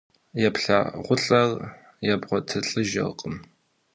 ЕплъагъулӀэр ебгъуэтылӀэжыркъым.